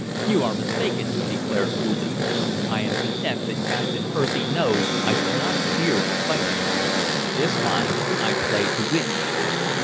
"You are mistaken," he declared coolly. "I am content that Captain Percy knows I do not fear to fight him. This time I play to win."